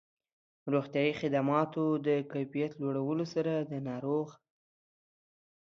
روغتیایي خدماتو د کيفيت لوړولو سره د ناروغ